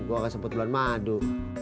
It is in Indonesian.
gue gak sebut bulan madu